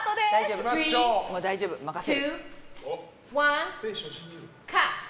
大丈夫、任せる。